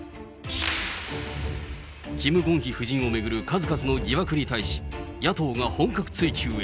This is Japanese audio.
キム・ゴンヒ夫人を巡る数々の疑惑に対し、野党が本格追及へ。